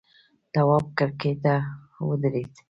تواب کرکۍ ته ودرېد.